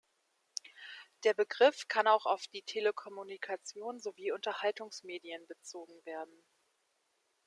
Der Begriff kann auch auf die Telekommunikation sowie Unterhaltungsmedien bezogen werden.